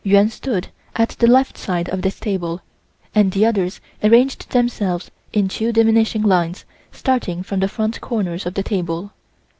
Yuan stood at the left side of this table and the others arranged themselves in two diminishing lines starting from the front corners of the table.